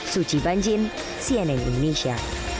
suci banjin cnn indonesia